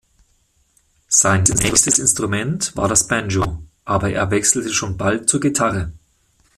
Sein nächstes Instrument war das Banjo, aber er wechselte schon bald zur Gitarre.